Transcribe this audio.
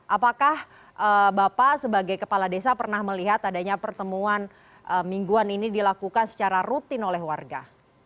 apakah bapak sebagai kepala desa pernah melihat adanya pertemuan mingguan ini dilakukan secara rutin oleh warga